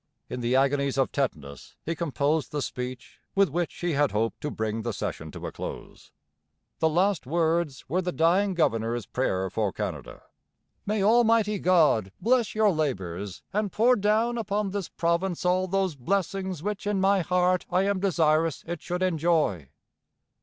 In the agonies of tetanus he composed the speech with which he had hoped to bring the session to a close. The last words were the dying governor's prayer for Canada. 'May Almighty God bless your labours, and pour down upon this province all those blessings which in my heart I am desirous it should enjoy.'